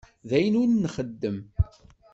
D ayen ur nxeddem.